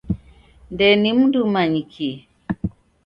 Ndee ni mndu umanyikie.